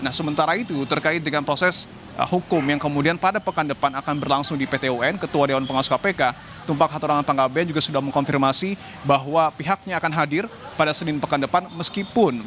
nah sementara itu terkait dengan proses hukum yang kemudian pada pekan depan akan berlangsung di pt un ketua dewan pengawas kpk tumpak hatorangan panggabean juga sudah mengkonfirmasi bahwa pihaknya akan hadir pada senin pekan depan meskipun